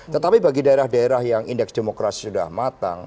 tetapi bagi daerah daerah yang indeks demokrasi sudah matang